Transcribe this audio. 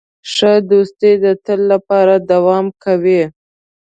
ښه دوستي د تل لپاره دوام کوي.